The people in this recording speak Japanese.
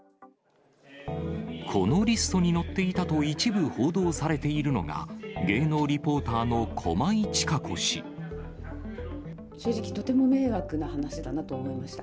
このリストに載っていたと一部報道されているのが、正直、とても迷惑な話だなと思いました。